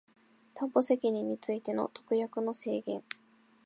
担保責任についての特約の制限